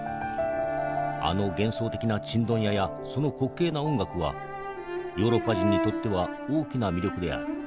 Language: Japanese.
あの幻想的なちんどん屋やその滑稽な音楽はヨーロッパ人にとっては大きな魅力である。